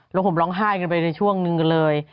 แล้วผมร้องไห้กันไปในช่วงหนึ่งกันเลย